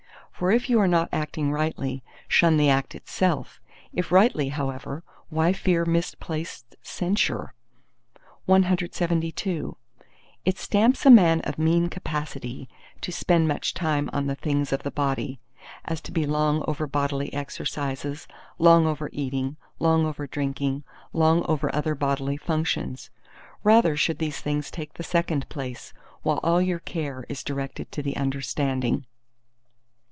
For if you are not acting rightly, shun the act itself; if rightly, however, why fear misplaced censure? CLXXIII It stamps a man of mean capacity to spend much time on the things of the body, as to be long over bodily exercises, long over eating, long over drinking, long over other bodily functions. Rather should these things take the second place, while all your care is directed to the understanding.